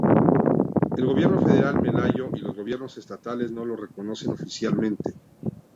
El gobierno federal malayo y los gobiernos estatales no la reconocen oficialmente.